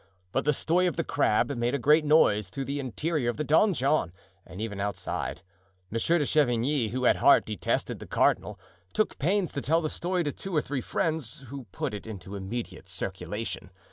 But the story of the crab made a great noise through the interior of the donjon and even outside. Monsieur de Chavigny, who at heart detested the cardinal, took pains to tell the story to two or three friends, who put it into immediate circulation.